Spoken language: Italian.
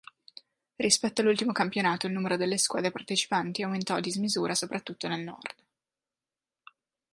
Rispetto all'ultimo campionato il numero delle squadre partecipanti aumentò a dismisura soprattutto nel nord.